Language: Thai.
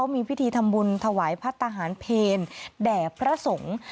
มีพิธีทำบุญถวายพัฒนาหารเพลแด่พระสงฆ์